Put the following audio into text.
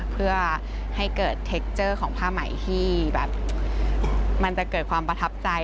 เพื่อให้เกิดเทคเจอร์ของผ้าใหม่ที่แบบมันจะเกิดความประทับใจ